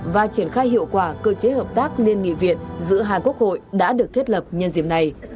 và triển khai hiệu quả cơ chế hợp tác liên nghị viện giữa hai quốc hội đã được thiết lập nhân dịp này